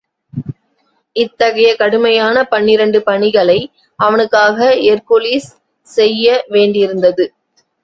இத்தகைய கடுமையான பன்னிரண்டு பணிகளை அவனுக்காக ஹெர்க்குலிஸ் செய்ய வேண்டியிருந்தது.